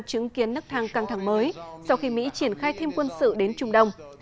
chứng kiến nức thang căng thẳng mới sau khi mỹ triển khai thêm quân sự đến trung đông